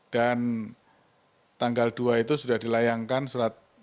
dan tanggal dua itu sudah dilayangkan surat